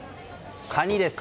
カニです。